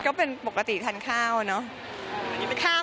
ก็เป็นปกติทานข้าวเนอะ